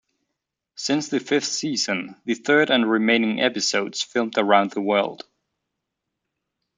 Since the fifth season, the third and remaining episodes filmed around the world.